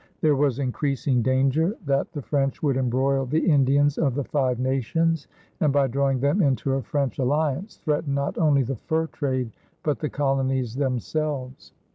There was increasing danger that the French would embroil the Indians of the Five Nations and, by drawing them into a French alliance, threaten not only the fur trade but the colonies themselves.